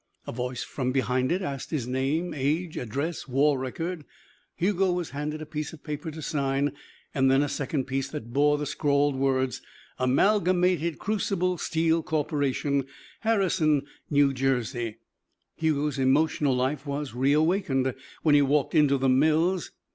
A voice from behind it asked his name, age, address, war record. Hugo was handed a piece of paper to sign and then a second piece that bore the scrawled words: "Amalgamated Crucible Steel Corp., Harrison, N. J." Hugo's emotional life was reawakened when he walked into the mills.